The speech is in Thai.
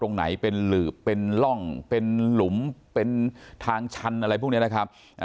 ตรงไหนเป็นหลืบเป็นร่องเป็นหลุมเป็นทางชันอะไรพวกนี้นะครับ